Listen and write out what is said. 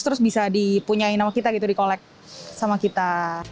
terus bisa dipunyai nama kita gitu di collect sama kita